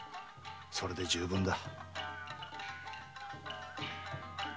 それで十分だ。